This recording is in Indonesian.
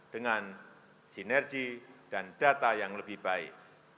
dengan sinergi dan data yang lebih baik